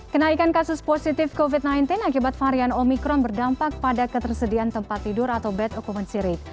kenaikan kasus positif covid sembilan belas akibat varian omikron berdampak pada ketersediaan tempat tidur atau bed ocumen cy